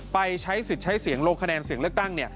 ไปใช้สิทธิ์ใช้เสียงลงคะแนนเสียงเลือกตั้ง